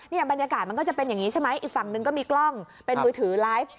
บรรยากาศมันก็จะเป็นอย่างนี้ใช่ไหมอีกฝั่งหนึ่งก็มีกล้องเป็นมือถือไลฟ์